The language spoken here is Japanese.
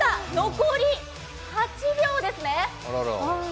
残り８秒ですね。